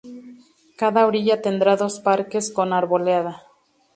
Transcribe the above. Cada orilla tendrá dos parques con arboleda.